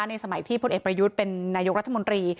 ในสมัยที่พลเอกประยุทธ์เป็นนายกรัฐมนตรี